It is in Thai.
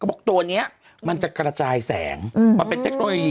ก็บอกตัวนี้มันจะกระจายแสงเอาเป็นเทคโนโลยีกระจายแสงนี้